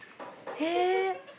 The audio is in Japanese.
へえ！